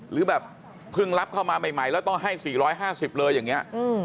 หรือแบบเพิ่งรับเข้ามาใหม่แล้วต้องให้สี่ร้อยห้าสิบเลยอย่างนี้